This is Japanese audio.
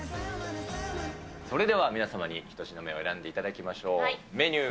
それでは皆様に１品目を選んでいただきましょう。